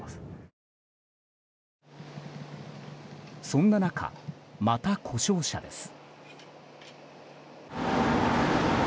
そんな中、また故障車です。